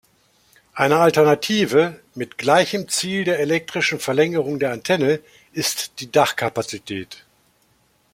Eine Alternative, mit gleichem Ziel der elektrischen Verlängerung der Antenne, ist die Dachkapazität.